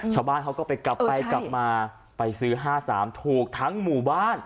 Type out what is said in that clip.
ชาวบ้านเขาก็ไปกลับไปกลับมาไปซื้อ๕๓ถูกทั้งหมู่บ้าน